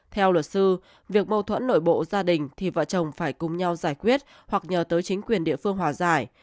theo luật sư việc mâu thuẫn nội bộ gia đình thì vợ chồng phải cùng nhau giải quyết hoặc nhờ tới chính quyền địa phương hòa giải